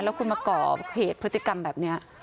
แล้วคุณมาก่อเหตุพฤติกรรมแบบนี้